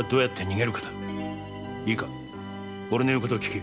いいか俺の言うことを聞け。